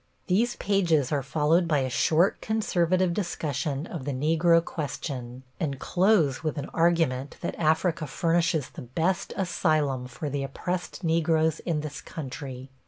These pages are followed by a short, conservative discussion of the Negro question, and close with an argument that Africa furnishes the best asylum for the oppressed Negroes in this country.